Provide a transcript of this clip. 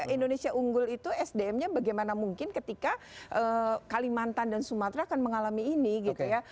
indonesia unggul itu sdm nya bagaimana mungkin ketika kalimantan dan sumatera akan mengalami ini gitu ya